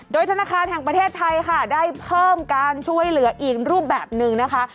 โดยธนาคารแห่งประเทศไทยค่ะได้เพิ่มการช่วยเหลืออีกรูปแบบหนึ่งนะคะ